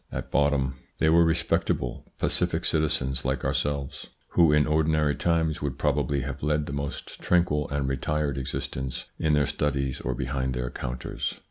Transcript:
At bottom they were respectable, pacific citizens like ourselves, who in ordinary times would probably have led the most tranquil and retired existence in their studies or behind their counters.